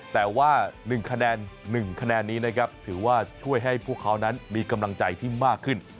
แต่ว่า๑คะแนน๑คะแนนนี้นะครับถือว่าช่วยให้พวกเขานั้นมีกำลังใจที่มากขึ้น